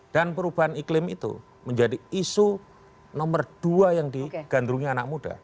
dan perubahan iklim itu menjadi isu nomor dua yang digandungi anak muda